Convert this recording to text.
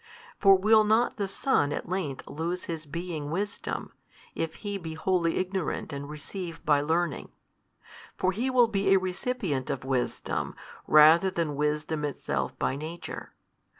For will not the Son at length lose His being Wisdom, if He be wholly ignorant and receive by learning? for He will be a recipient of wisdom, rather than Wisdom Itself by Nature.